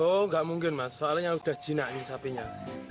oh gak mungkin mas soalnya udah jinak nih sapinya